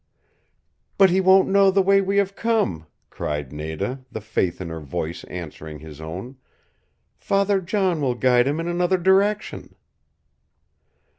"But he won't know the way we have come," cried Nada, the faith in her voice answering his own. "Father John will guide him in another direction."